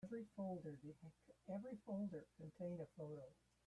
Every folder contained a photo.